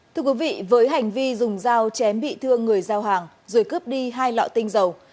thưa quý vị với hành vi dùng dao chém bị thương người giao hàng rồi cướp đi hai lọ tinh dầu